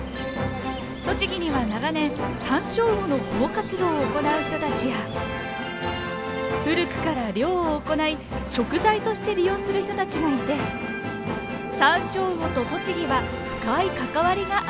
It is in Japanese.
栃木には長年サンショウウオの保護活動を行う人たちや古くから漁を行い食材として利用する人たちがいてサンショウウオと栃木は深い関わりがあるんです。